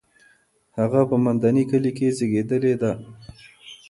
هغه په مندني کلي کې زېږېدلې ده.